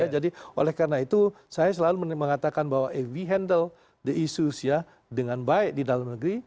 jadi oleh karena itu saya selalu mengatakan bahwa if we handle the issues ya dengan baik di dalam negeri